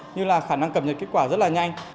như là khả năng cập nhật kết quả rất là nhanh